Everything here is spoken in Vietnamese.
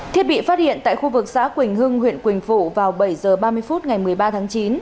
thiết bị phát hiện tại khu vực xã quỳnh hưng huyện quỳnh phụ vào bảy h ba mươi phút ngày một mươi ba tháng chín